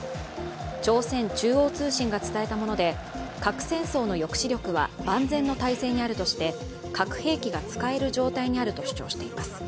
朝鮮中央通信が伝えたもので核戦争の抑止力は万全の態勢にあるとして核兵器が使える状態にあると主張しています。